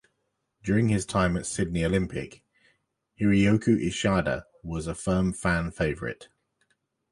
During his time at Sydney Olympic, Hiroyuki Ishida was a firm fan favourite.